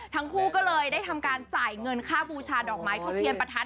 ทั้งคู่ก็เลยได้ทำการจ่ายเงินค่าบูชาดอกไม้ทูบเทียนประทัด